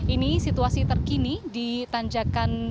ini situasi terkini di tanjakan